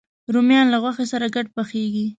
رومیان له غوښو سره ګډ پخېږي